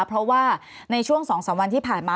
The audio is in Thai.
เพราะว่าในช่วง๒๓วันที่ผ่านมา